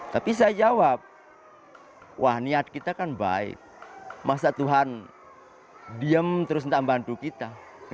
tapi saya jawab wah niat kita kan baik masa tuhan diem terus tidak bantu kita